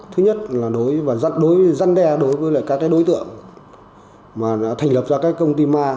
thứ nhất là đối với các đối tượng mà đã thành lập ra các công ty ma